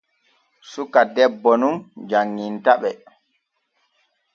Suka debbo nun janŋintaɓe.